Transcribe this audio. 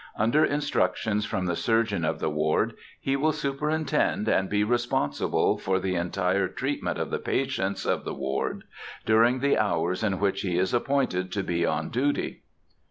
Under instructions from the surgeon of the ward, he will superintend and be responsible for the entire treatment of the patients of the ward, during the hours in which he is appointed to be on duty.